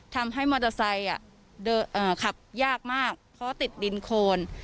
ทำให้มอเตอร์ไซค์ขับยากมากเพราะติดดินโคน